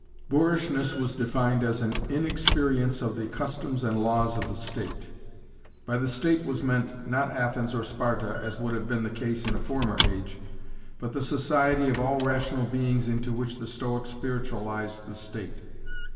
Boorishness was defined as an inexperience of the customs and laws of the state. By the state was meant, not Athens or Sparta, as would have been the case in a former age, but the society of all rational beings into which the Stoics spiritualised the state.